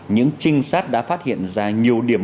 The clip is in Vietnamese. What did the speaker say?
những trinh sát đã phát hiện ra nhiều điểm